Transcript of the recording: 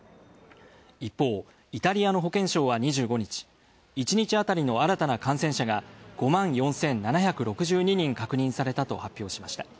一方、イタリアの保健省は２５日、１日あたりの新たな感染者が５万４７６２人確認されたと発表しました。